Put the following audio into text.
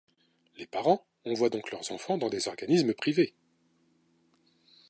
Les parents envoient donc leurs enfants dans des organismes privées.